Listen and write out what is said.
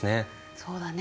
そうだね。